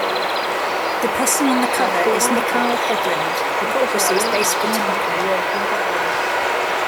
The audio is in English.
The person on the cover is Mikael Hedlund, Hypocrisy's bass guitar player.